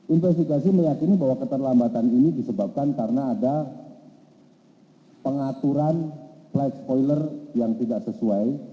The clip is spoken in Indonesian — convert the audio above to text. investigasi meyakini bahwa keterlambatan ini disebabkan karena ada pengaturan flight spoiler yang tidak sesuai